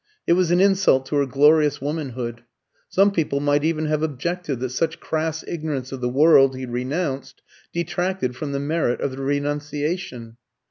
It was an insult to her glorious womanhood. Some people might even have objected that such crass ignorance of the world he renounced detracted from the merit of the renunciation.